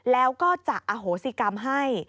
แล้วก็จะอโหสิกรรมให้